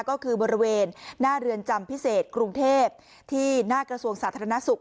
ก็คือบริเวณหน้าเรือนจำพิเศษกรุงเทพที่หน้ากระทรวงสาธารณสุข